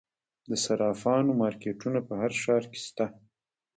د صرافانو مارکیټونه په هر ښار کې شته